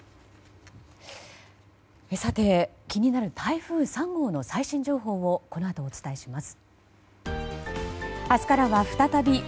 さて、気になる台風３号の最新情報をこのあとお伝えします。